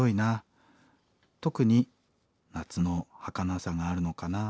特に夏のはかなさがあるのかな」。